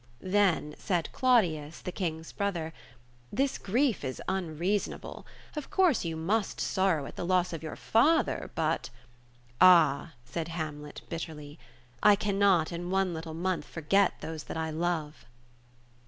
Then said Claudius, the King's brother, "This grief is unreason able. Of course you must sorrow at the loss of your father, but —" "Ah," said Hamlet, bitterly, "I cannot in one little month forget those I love."